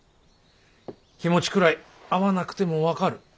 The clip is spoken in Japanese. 気持ちくらい会わなくても分かる。